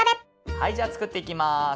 はいじゃあ作っていきます。